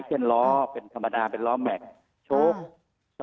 เพียงล้อเป็นธรรมดาหรือเป็นล้อแม็กชุบตัดสปริงอย่างนี้